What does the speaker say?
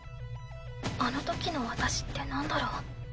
あのときの私ってなんだろう？